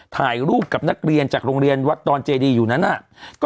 ถ่ายรูปกับนักเรียนจากโรงเรียนวัดดอนเจดีอยู่นั้นน่ะ